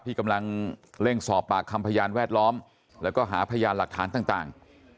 ที่กำลังเร่งสอบปากคำพยานแวดล้อมแล้วก็หาพยานหลักฐานต่าง